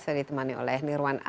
saya ditemani oleh nirwan